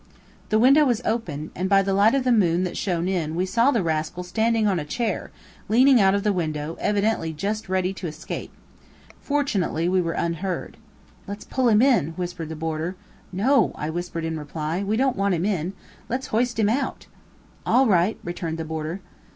The window was open, and by the light of the moon that shone in, we saw the rascal standing on a chair, leaning out of the window, evidently just ready to escape. Fortunately, we were unheard. "Let's pull him in," whispered the boarder. "No," I whispered in reply. "We don't want him in. Let's hoist him out." "All right," returned the boarder.